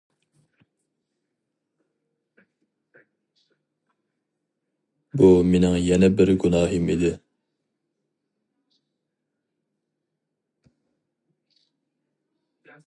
بۇ مېنىڭ يەنە بىر گۇناھىم ئىدى.